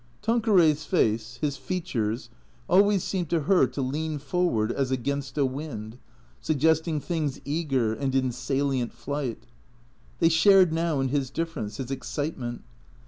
Tanqueray's face, his features, always seemed to her to lean forward as against a wind, suggesting things eager and in salient flight. They sliarcd now in his difference, his excite ment.